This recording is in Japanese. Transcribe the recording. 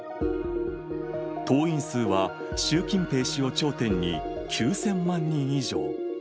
党員数は、習近平氏を頂点に９０００万人以上。